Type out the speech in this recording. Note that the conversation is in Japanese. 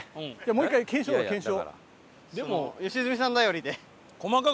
もう１回検証だ検証。